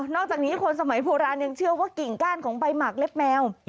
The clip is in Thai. อกจากนี้คนสมัยโบราณยังเชื่อว่ากิ่งก้านของใบหมากเล็บแมว